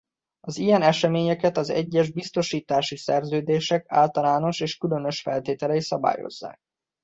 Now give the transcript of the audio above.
Az ilyen eseményeket az egyes biztosítási szerződések általános és különös feltételei szabályozzák.